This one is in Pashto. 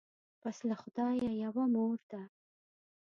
پس له خدایه یوه مور ده